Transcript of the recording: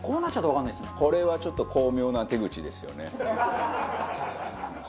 これはちょっと巧妙な手口ですよね。